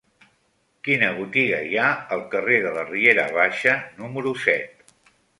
Quina botiga hi ha al carrer de la Riera Baixa número set?